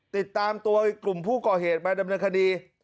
ติดตามตัวกลุ่มผู้ก่อเหตุมาดำเนินคดี